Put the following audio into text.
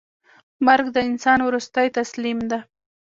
مرګ د انسان وروستۍ تسلیم ده.